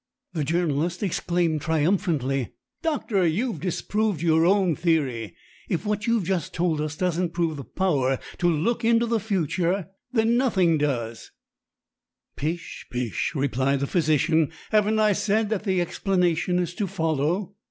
The journalist exclaimed triumphantly: "Doctor, you've disproved your own theory. If what you've just told us doesn't prove the power to look into the future, then nothing does." "Pish! Pish!" replied the physician. "Haven't I said that the explanation is to follow?"